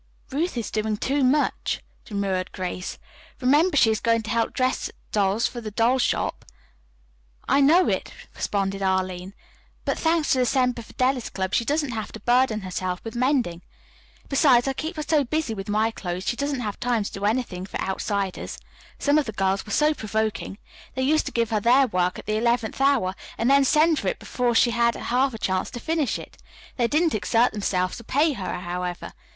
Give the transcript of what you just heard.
"Ruth is doing too much," demurred Grace. "Remember she is going to help dress dolls for the doll shop." "I know it," responded Arline, "but, thanks to the Semper Fidelis Club, she doesn't have to burden herself with mending. Besides, I keep her so busy with my clothes she doesn't have time to do anything for outsiders. Some of the girls were so provoking. They used to give her their work at the eleventh hour, and then send for it before she had half a chance to finish it. They didn't exert themselves to pay her, however.